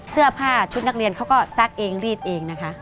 เสื้อผ้าชุดนักเรียนเขาก็ซักเองรีดเองนะคะ